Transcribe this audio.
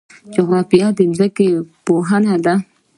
جغرافیه د ځمکې پوهنه ده